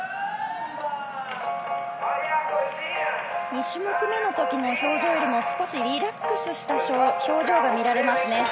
２種目目の時の表情よりも少しリラックスした表情が見られますね。